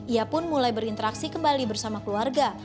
ia pun mulai berinteraksi kembali bersama keluarga